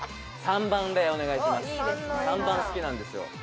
「３番好きなんですよ」